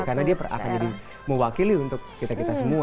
karena dia akan jadi mewakili untuk kita kita semua